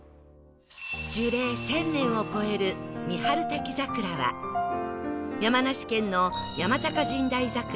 樹齢１０００年を超える三春滝桜は山梨県の山高神代桜